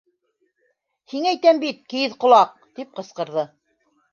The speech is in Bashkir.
— Һиңә әйтәм бит, кейеҙ ҡолаҡ! — тип ҡысҡырҙы.